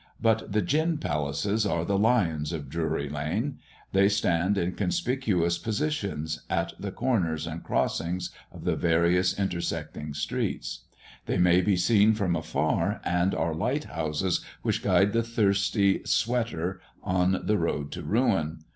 But the gin palaces are the lions of Drury lane; they stand in conspicuous positions, at the corners and crossings of the various intersecting streets. They may be seen from afar, and are lighthouses which guide the thirsty "sweater" on the road to ruin.